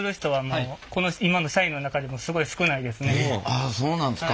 あっそうなんですか。